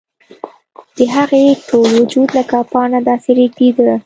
د هغې ټول وجود لکه پاڼه داسې رېږدېده